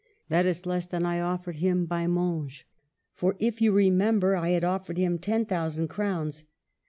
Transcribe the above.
That is less than I offered him by Monge ; for, if you remember, I had offered him ten thousand crowns.